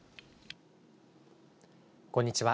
こんにちは。